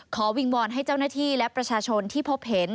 วิงวอนให้เจ้าหน้าที่และประชาชนที่พบเห็น